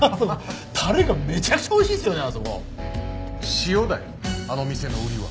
塩だよあの店の売りは。